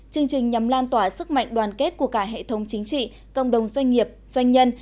chương trình nhằm lan tỏa sức mạnh đoàn kết của cả hệ thống chính trị cộng đồng doanh nghiệp doanh nhân